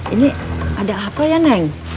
ini ada apa ya neng